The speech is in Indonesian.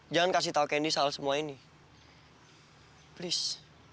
jangan kasih tau kendi soal semua ini please